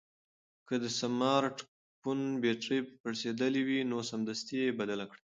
که د سمارټ فون بېټرۍ پړسېدلې وي نو سمدستي یې بدل کړئ.